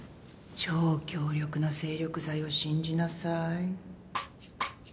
超強力な精力剤を信じなさい。